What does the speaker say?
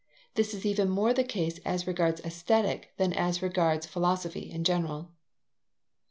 This is even more the case as regards Aesthetic than as regards philosophy in general.